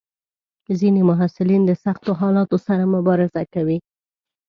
ځینې محصلین د سختو حالاتو سره مبارزه کوي.